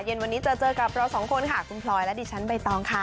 เย็นวันนี้จะเจอกับเราสองคนค่ะคุณพลอยและดิฉันใบตองค่ะ